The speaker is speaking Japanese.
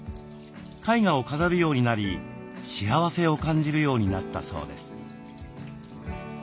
絵画を飾るようになり幸せを感じるようになったそうです。